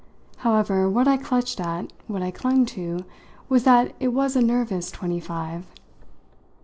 However, what I clutched at, what I clung to, was that it was a nervous twenty five.